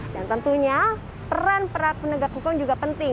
dan tentunya peran peran penegak hukum juga penting